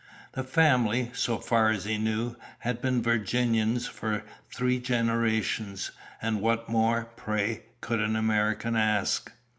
The family, so far as he knew, had been Virginians for three generations, and what more, pray, could an American ask?